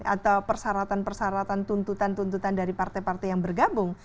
atau persyaratan persyaratan tuntutan tuntutan dari partai partai yang bergabung